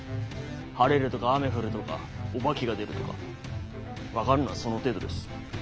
晴れるとか雨降るとかお化けが出るとか分かるのはその程度です。